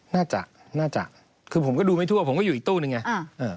น่าจะคือผมก็ดูไม่ทั่วผมก็อยู่อีกตู้หนึ่งไง